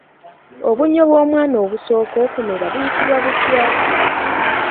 Obunnyo bw'omwana obusooka okumera buyitibwa butya?